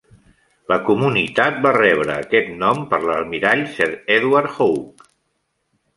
La comunitat va rebre aquest nom per l'almirall Sir Edward Hawke.